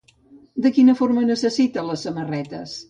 De quina forma necessita les samarretes?